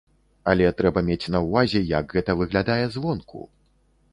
Але трэба мець на ўвазе, як гэта выглядае звонку.